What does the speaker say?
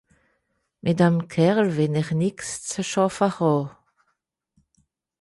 Mìt dem Kerl wìll ìch nìx ze schàffe hàn.